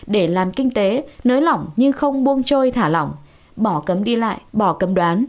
để làm kinh tế nới lỏng nhưng không buông trôi thả lỏng bỏ cấm đi lại bỏ cấm đoán